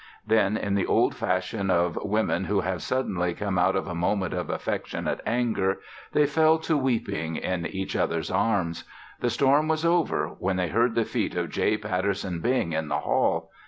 Then, in the old fashion of women who have suddenly come out of a moment of affectionate anger, they fell to weeping in each other's arms. The storm was over when they heard the feet of J. Patterson Bing in the hall.